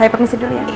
saya permisi dulu ya